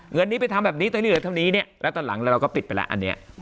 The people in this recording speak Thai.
เงินนี้ไปทำแบบนี้ตอนนี้ตอนนี้เนี้ยแล้วตอนหลังเราก็ปิดไปแล้วอันเนี้ย